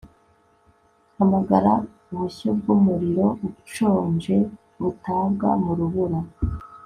hamagara ubushyo bwumuriro ushonje, butabwa mu rubura